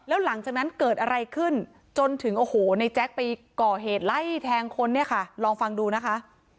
แล้วหลังจากนั้นเกิดอะไรขึ้นจนถึงโอ้โหในแจ๊คไปก่อเหตุไล่แทงคนเนี่ยค่ะลองฟังดูนะคะ